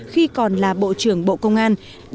khi còn là bộ trưởng bộ công an